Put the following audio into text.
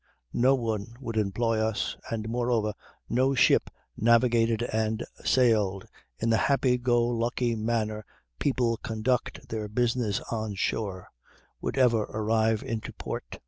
No one would employ us. And moreover no ship navigated and sailed in the happy go lucky manner people conduct their business on shore would ever arrive into port."